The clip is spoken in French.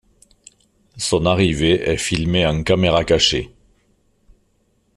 Son arrivée est filmée en caméra cachée.